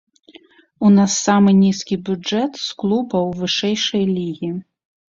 У нас самы нізкі бюджэт з клубаў вышэйшай лігі.